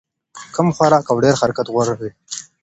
کم خوراک او ډېر حرکت غوره دی.